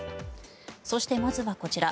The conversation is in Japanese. そして、まずはこちら。